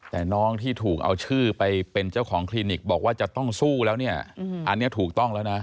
แต่น้องที่ถูกเอาชื่อไปเป็นเจ้าของคลินิกบอกว่าจะต้องสู้แล้วเนี่ยอันนี้ถูกต้องแล้วนะ